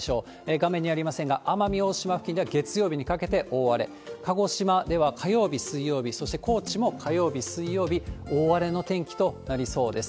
画面にありませんが、奄美大島付近では月曜日にかけて大荒れ、鹿児島では火曜日、水曜日、そして高知も火曜日、水曜日、大荒れの天気となりそうです。